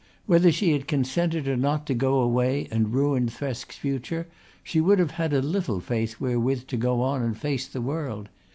Whether she had consented or not to go away and ruin Thresk's future she would have had a little faith wherewith to go on and face the world.